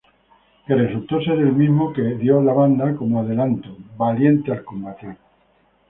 Que resultó ser el mismo que dio la banda como adelanto: "Valiente al combatir".